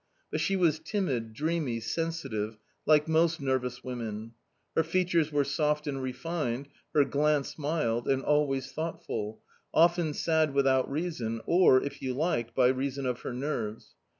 But she was timid, dreamy, sensitive, like most nervous women. Her features were soft and refined, her glance mild, and always thoughtful, often sad without reason, or, if you like, by reason of her nerves.